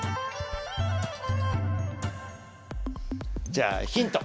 じゃあヒント！